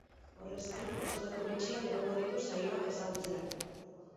Horrez gain, oso datu bitxiak emango ditu saioak ezagutzera.